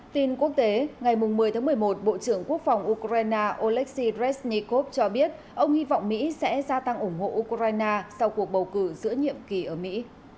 tin quốc tế ngày một mươi tháng một mươi một bộ trưởng quốc phòng ukraine olexy resnikov cho biết ông hy vọng mỹ sẽ gia tăng ủng hộ ukraine sau cuộc bầu cử giữa nhiệm kỳ ở mỹ